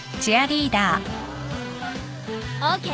ＯＫ？